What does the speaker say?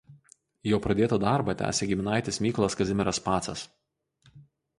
Jo pradėtą darbą tęsė giminaitis Mykolas Kazimieras Pacas.